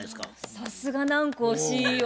さすが南光ＣＥＯ。